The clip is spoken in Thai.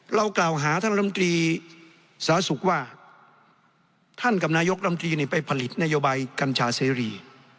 เรากล่าวหาท่านลำตรีสาธารณสุขว่าท่านกับนายกรรมตรีนี่ไปผลิตนโยบายกัญชาเสรี